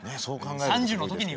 そう考えると。